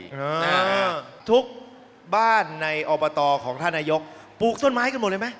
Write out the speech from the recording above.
เออทุกบ้านในอบตของท่านนายกปลูกต้นไม้กันหมดเลยไหม